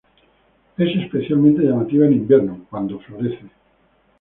Es especialmente llamativa en invierno, cuando florece.